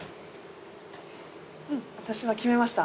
うん私は決めました。